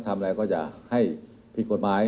ทำอะไรก็อย่าให้ผิดกฎหมาย